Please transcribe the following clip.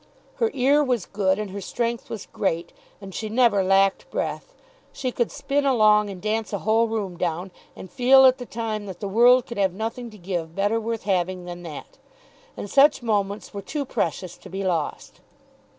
Her ear was good, and her strength was great, and she never lacked breath. She could spin along and dance a whole room down, and feel at the time that the world could have nothing to give better worth having than that; and such moments were too precious to be lost.